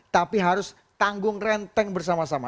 tapi harus tanggung renteng bersama sama